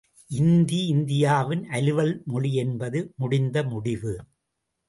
இந்தி, இந்தியாவின் அலுவல்மொழி என்பது முடிந்த முடிவு.